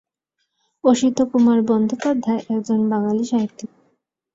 অসিতকুমার বন্দ্যোপাধ্যায় একজন বাঙালি সাহিত্যিক।